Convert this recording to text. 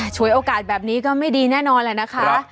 ฉวยโอกาสแบบนี้ก็ไม่ดีแน่นอนแหละนะคะ